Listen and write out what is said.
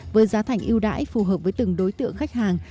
với giá thành ưu đãi phù hợp với từng đối tượng khách hàng